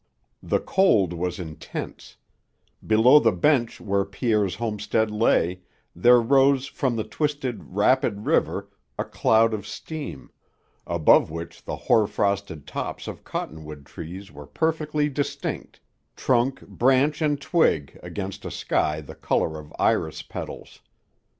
The cold was intense: below the bench where Pierre's homestead lay, there rose from the twisted, rapid river, a cloud of steam, above which the hoar frosted tops of cottonwood trees were perfectly distinct, trunk, branch, and twig, against a sky the color of iris petals.